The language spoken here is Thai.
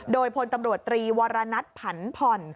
โดยพลตำรวจตรีวรณัฐผันผ่อน